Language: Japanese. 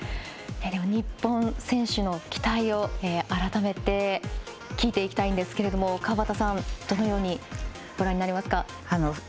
日本選手の期待を改めて聞いていきたいんですが川端さん、どのようにご覧になりますか？